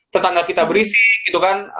tetangga kita berisik gitu kan